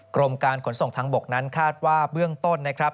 กรมการขนส่งทางบกนั้นคาดว่าเบื้องต้นนะครับ